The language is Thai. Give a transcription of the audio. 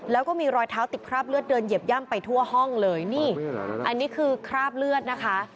แล้วก็มีรอยเท้าติดคราบเลือดเดินเหยียบย่ำไปทั่วห้องเลยนี่อันนี้คือคราบเลือดนะคะ